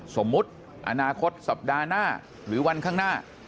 สมมุติอนาคตสัปดาห์หน้าหรือวันข้างหน้า